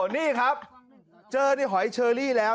นี่ครับเจอในหอยเชอรี่แล้ว